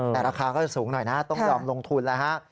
แต่ราคาก็สูงหน่อยนะต้องยอมลงทุนนะ